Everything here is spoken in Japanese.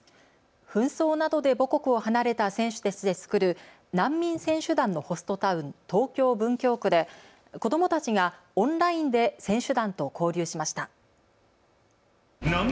紛争などで母国を離れた選手たちで作る難民選手団のホストタウン、東京文京区で子どもたちがオンラインで選手団と交流しました。